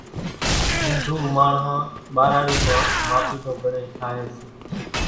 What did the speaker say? هنڌُو ماڻۿان ٻاراڙِي مان ماٽِي نو ڳڻيۿ ٺاۿيَ سي۔